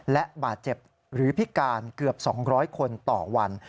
และบาดเจ็บหรือพิการเกือบ๒๐๐คนต่อวัน